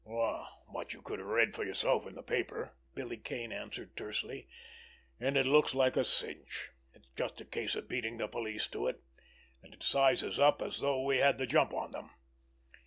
"What you could have read for yourself in the paper," Billy Kane answered tersely. "And it looks like a cinch. It's just a case of beating the police to it, and it sizes up as though we had the jump on them."